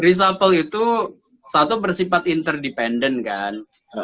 risapel itu satu bersifat interdependent kan